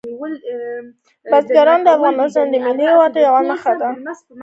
بزګان د افغانستان د ملي هویت یوه نښه ده.